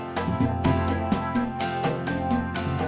kalau kau juga pusing ilmu